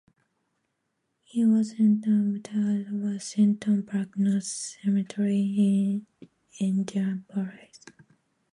He was entombed at Washington Park North Cemetery in Indianapolis.